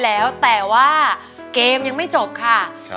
แล้วแต่ว่าเกมยังไม่จบค่ะ